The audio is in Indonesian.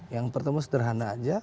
yang pertama sederhana aja